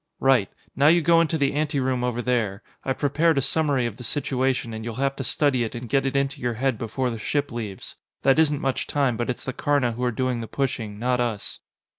"Right. Now, you go into the anteroom over there. I've prepared a summary of the situation, and you'll have to study it and get it into your head before the ship leaves. That isn't much time, but it's the Karna who are doing the pushing, not us."